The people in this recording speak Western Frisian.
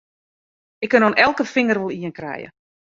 Ik kin oan elke finger wol ien krije!